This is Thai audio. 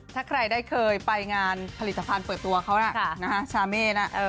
ถ้าใครได้เคยไปงานผลิตภัณฑ์เปิดตัวเขานะชาเม่นะ